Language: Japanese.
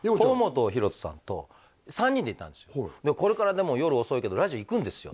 「これからでも夜遅いけどラジオ行くんですよ」